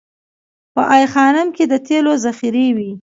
په ای خانم کې د تیلو ذخیرې وې